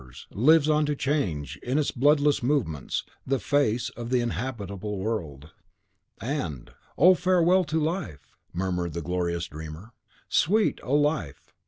ever, with its Cabala and its number, lives on to change, in its bloodless movements, the face of the habitable world! And, "Oh, farewell to life!" murmured the glorious dreamer. "Sweet, O life!